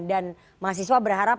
dan mahasiswa berharap